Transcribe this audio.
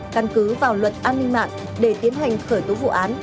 căn cứ vào luật an ninh mạng để tiến hành khởi tố vụ án